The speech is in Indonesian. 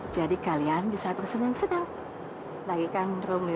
jadi kalian bisa bersenang senang lagikan romeo dan juliet